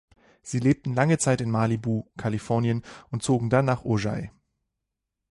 Sie lebten lange Zeit in Malibu, Kalifornien, und zogen dann nach Ojai.